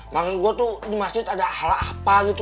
maksud gue tuh di masjid ada hal apa gitu